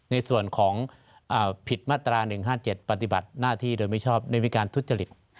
ในส่วนของผิดมาตรา๑๕๗ปฏิบัติหน้าที่โดยไม่ชอบด้วยวิการทุจริต